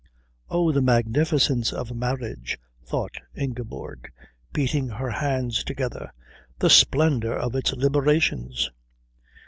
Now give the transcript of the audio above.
Oh, the magnificence of marriage, thought Ingeborg, beating her hands together, the splendour of its liberations!